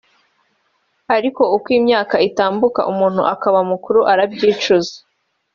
Ariko uko imyaka itambuka umuntu akaba mukuru arabyicuza